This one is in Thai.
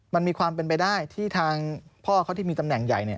มันมีความเป็นไปได้ที่ทางพ่อเขาที่มีตำแหน่งใหญ่